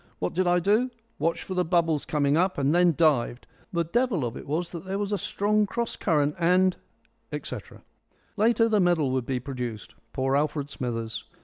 What did I do? Watched for the bubbles coming up and then dived. The devil of it was that there was a strong cross current and " etc. Later, the medal would be produced. Poor Alfred Smithers!